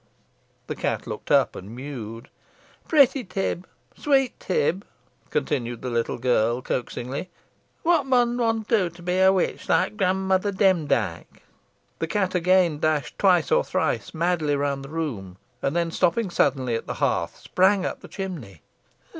The cat looked up, and mewed. "Protty Tib sweet Tib," continued the little girl, coaxingly. "Whot mun one do to be a witch like grandmother Demdike?" The cat again dashed twice or thrice madly round the room, and then stopping suddenly at the hearth, sprang up the chimney.